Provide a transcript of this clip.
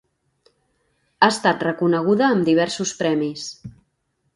Ha estat reconeguda amb diversos premis.